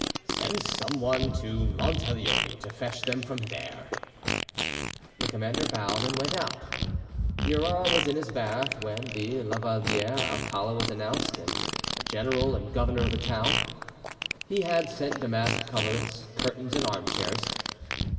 "Send someone to Monteleone to fetch them from there." The commander bowed and went out. Murat was in his bath when the Lavaliere Alcala was announced, a General and Governor of the town. He had sent damask coverlets, curtains, and arm chairs.